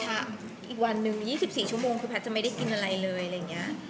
๒๔ชั่วโมงคือแพทย์จะไม่ได้กินอะไรเลย